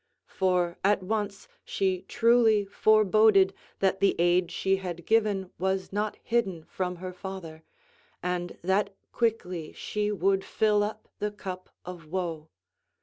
For at once she truly forboded that the aid she had given was not hidden from her father, and that quickly she would fill up the cup of woe.